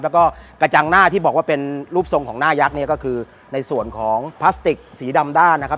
แล้วก็กระจังหน้าที่บอกว่าเป็นรูปทรงของหน้ายักษ์เนี่ยก็คือในส่วนของพลาสติกสีดำด้านนะครับ